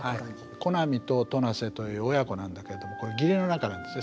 小浪と戸無瀬という親子なんだけれども義理の仲なんですね。